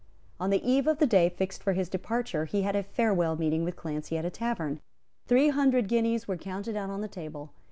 On the eve of the day fixed for his departure he had a farewell meeting with Clancy at a tavern. Three hundred guineas were counted out on the table.